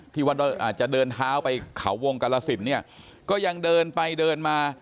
อาจจะเดินเท้าไปเขาวงกาลสินเนี่ยก็ยังเดินไปเดินมา